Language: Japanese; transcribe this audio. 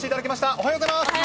おはようございます。